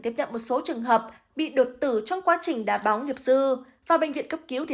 tiếp nhận một số trường hợp bị đột tử trong quá trình đá bóng nhập dư và bệnh viện cấp cứu